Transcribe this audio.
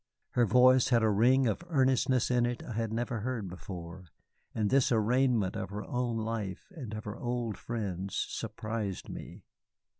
Her voice had a ring of earnestness in it I had never heard before, and this arraignment of her own life and of her old friends surprised me.